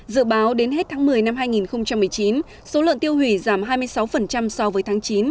dự báo đến hết tháng một mươi năm hai nghìn một mươi chín số lợn tiêu hủy giảm hai mươi sáu so với tháng chín